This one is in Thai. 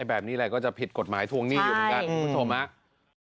แบบนี้แหละก็จะผิดกฎหมายทวงหนี้อยู่เหมือนกันคุณผู้ชมครับ